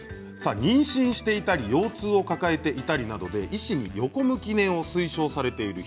妊娠していたり腰痛を抱えていたりなどで医師に横向き寝を推奨されている人